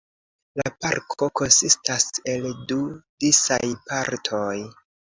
La parko konsistas el du disaj partoj.